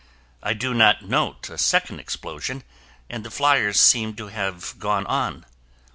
I do not note a second explosion and the fliers seem to have gone on.